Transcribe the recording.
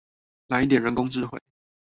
來一點人工智慧